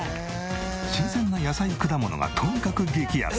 新鮮な野菜果物がとにかく激安！